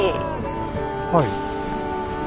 はい。